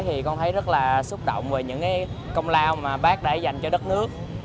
thì con thấy rất là xúc động về những công lao mà bác đã dành cho đất nước